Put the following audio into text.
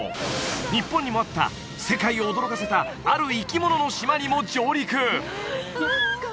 日本にもあった世界を驚かせたある生き物の島にも上陸！